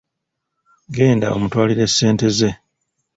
Genda omutwalire ssente ze.